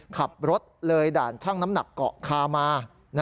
ขับรถเลยด่านช่างน้ำหนักเกาะคามา